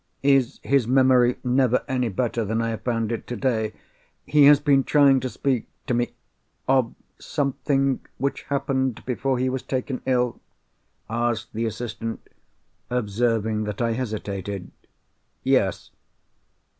"Is his memory never any better than I have found it today? He has been trying to speak to me——" "Of something which happened before he was taken ill?" asked the assistant, observing that I hesitated. "Yes."